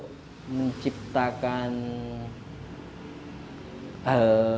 halus itu hull penting untuk